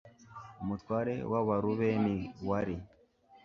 umutware w Abarubeni wari